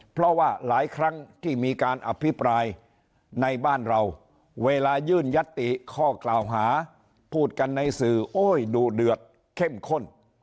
เพราะว่าหลายครั้งที่มีการอภิปรายในบ้านเราเวลายื่นยัตติข้อกล่าวหาพูดกันในสื่อโอ้ยดุเดือดเข้มข้น